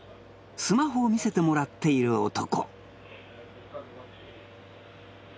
スマホを見せてもらっている男